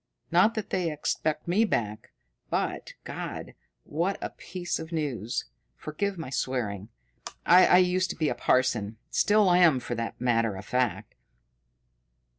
Not that they expect me back. But God, what a piece of news! Forgive my swearing I used to be a parson. Still am, for the matter of that."